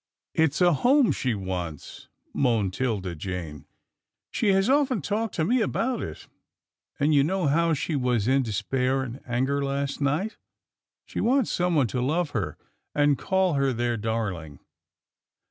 " It's a home she wants," moaned 'Tilda Jane, " she has often talked to me about it, and you know how she was in despair and anger last night. She wants someone to love her, and call her their darHng."